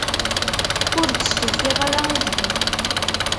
Ur d-stufiɣ ara i zzhu.